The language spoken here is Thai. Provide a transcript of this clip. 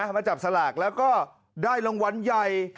มาจับสลากแล้วก็ได้รางวัลใหญ่